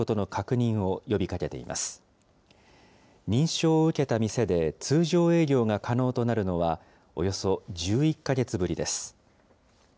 認証を受けた店で通常営業が可能となるのは、およそ１１か月ぶりです。